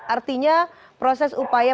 artinya proses upaya